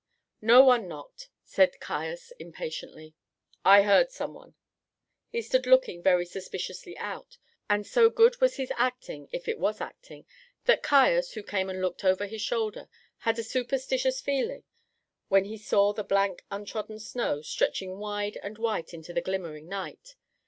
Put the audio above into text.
"No one knocked," said Caius impatiently. "I heard someone." He stood looking very suspiciously out, and so good was his acting, if it was acting, that Caius, who came and looked over his shoulder, had a superstitious feeling when he saw the blank, untrodden snow stretching wide and white into the glimmering night.